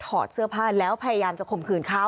ถอดเสื้อผ้าแล้วพยายามจะข่มขืนข้าว